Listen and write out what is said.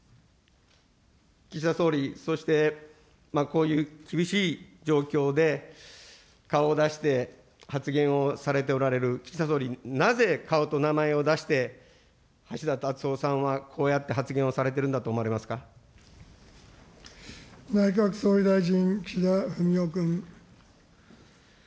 岸田総理、そしてこういう厳しい状況で、顔を出して発言をされておられる、岸田総理、なぜ顔と名前を出して、橋田達夫さんはこうやって発言をされてるんだと思わ内閣総理大臣、岸田文雄君。